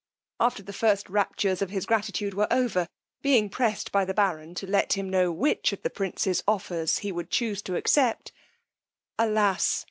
After the first raptures of his gratitude were over, being pressed by the baron to let him know which of the prince's offers he would chuse to accept; alas!